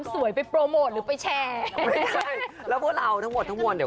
อ้องสุดผู้ประกาศช่องซิ